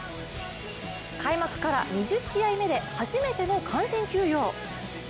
開幕から２０試合目で初めての完全休養。